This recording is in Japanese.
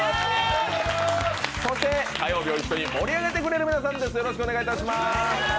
そして火曜日を一緒に盛り上げてくれる皆さんです。